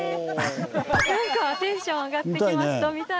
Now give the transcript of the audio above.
なんかテンション上がってきました。